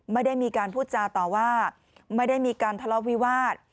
ไม่ได้มีการพูดจาต่อว่าไม่ได้มีการทะเลาะวิวาส